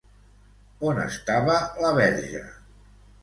On estava la Verge?